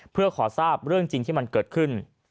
เพื่อขอทราบเรื่องจริงที่มันเกิดขึ้น